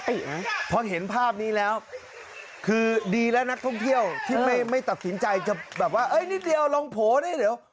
ตอนนี้น้องเห็นภาพนี้แล้วคือดีแล้วนักท่องเที่ยวที่ไม่ตะกินใจจะแบบว่านิดเดียวลองโผล่ด้วยเดี๋ยว